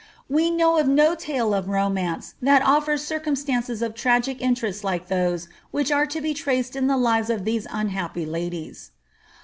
We know of no tale of romance that offers circum stances of tragic interest like those which are to be traced in the lives of these unhappy ladies.